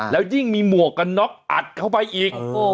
แล้วยิ่งมีหมวกกันน็อกอัดเข้าไปอีก